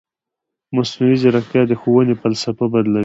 مصنوعي ځیرکتیا د ښوونې فلسفه بدلوي.